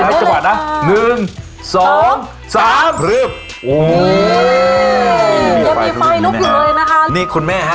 นะหนึ่งสองสามพรึบโอ้ยจะมีไฟลุกอยู่เลยนะคะนี่คุณแม่ฮะ